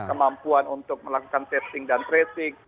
kemampuan untuk melakukan testing dan tracing